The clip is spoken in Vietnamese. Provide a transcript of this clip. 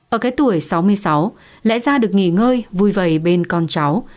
ở cái tuổi sáu mươi sáu lẽ ra được nghỉ ngơi vui vầy bên con cháu